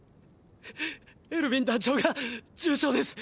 エルヴィン団長が重傷です。